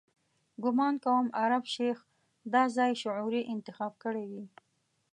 ګومان کوم عرب شیخ دا ځای شعوري انتخاب کړی وي.